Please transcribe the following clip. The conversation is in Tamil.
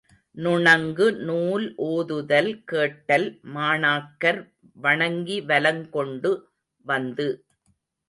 நுணங்கு நூல் ஓதுதல் கேட்டல் மாணாக்கர் வணங்கி வலங் கொண்டு வந்து.